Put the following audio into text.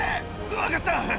分かった。